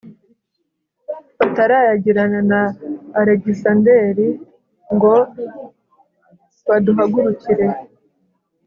batarayagirana na alegisanderi ngo baduhagurukire